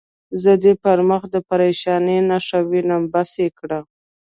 زه دې پر مخ د پرېشانۍ نښې وینم، بس یې کړه.